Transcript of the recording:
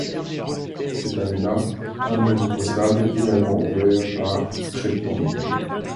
Cette année-là, un bureau postal est également ouvert à Repton.